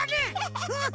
フフフ！